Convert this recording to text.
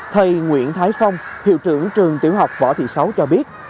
thầy nguyễn thái phong hiệu trưởng trường tiểu học võ thị sáu cho biết